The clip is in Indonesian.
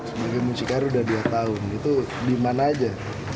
sebagai mucikari sudah dua tahun itu di mana aja